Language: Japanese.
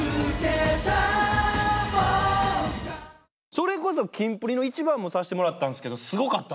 それこそキンプリの「ｉｃｈｉｂａｎ」もさせてもらったんですけどすごかったな。